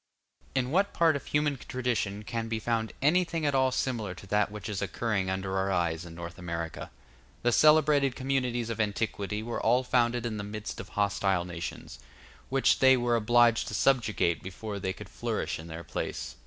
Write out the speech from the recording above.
In what part of human tradition can be found anything at all similar to that which is occurring under our eyes in North America? The celebrated communities of antiquity were all founded in the midst of hostile nations, which they were obliged to subjugate before they could flourish in their place.